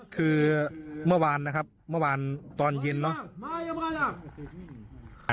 คือเมื่อวานนะครับเมื่อวานตอนเย็นเนอะ